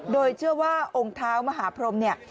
โดยเชื่อว่าองค์เท้ามหาพรมเนี่ย